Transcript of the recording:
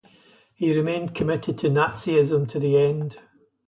He remained committed to Nazism to the end.